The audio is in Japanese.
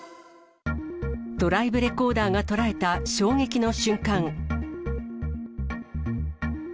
ドライブレコーダーが捉えた衝撃の瞬間。